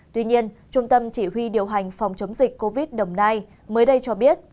tuy nhiên trung tâm chỉ huy điều hành phòng chống dịch covid một mươi chín đồng nai mới đây cho biết